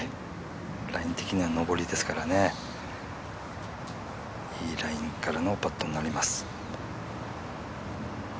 ライン的には上りですからいいラインからのパットになります。